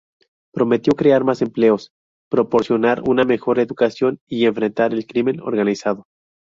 Prometió crear más empleos, proporcionar una mejor educación y enfrentar el crimen organizado.